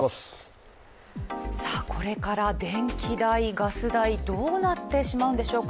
これから電気代・ガス代どうなってしまうんでしょうか。